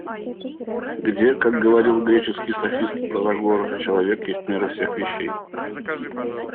Где, как говорил греческий софист Протагор, человек есть мера всех вещей?